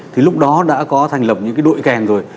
thì lúc đó đã có thành lập những cái đội kèn rồi